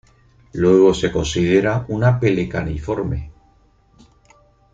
Luego se considera una pelecaniforme.